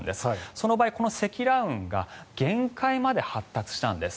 その場合、この積乱雲が限界まで発達したんです。